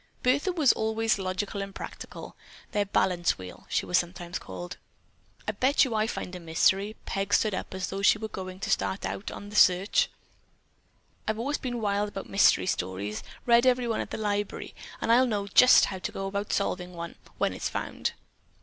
Bertha was always logical and practical. Their "balance wheel," she was sometimes called. "I bet you I find a mystery." Peg stood up as though she were going to start right out on the search. "I've always been wild about mystery stories; read every one at the library, and I'll know just how to go about solving one, when it's found."